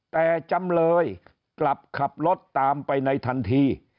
แต่จำเลยกลับขับรถตามไปในทันที